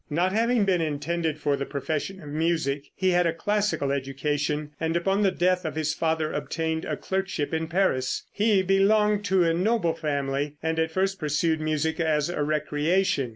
Not having been intended for the profession of music, he had a classical education, and upon the death of his father obtained a clerkship in Paris. He belonged to a noble family, and at first pursued music as a recreation.